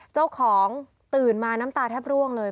เจ้าของตื่นมาน้ำตาแทบร่วงเลย